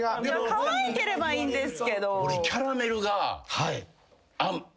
かわいければいいんですけど。